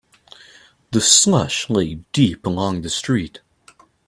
The slush lay deep along the street.